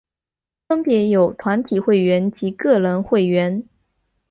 分别有团体会员及个人会员。